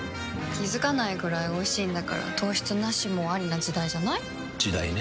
気付かないくらいおいしいんだから糖質ナシもアリな時代じゃない？時代ね。